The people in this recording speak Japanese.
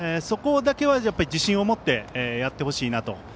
そこは自信を持ってやってほしいなと。